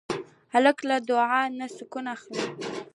هلک له دعا نه سکون اخلي.